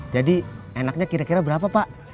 jadi enaknya kira kira berapa pak